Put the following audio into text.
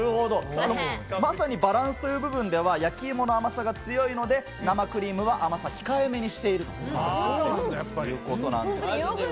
まさにバランスという部分では焼き芋の甘さが強いので、生クリームは甘さ控えめにしているということです。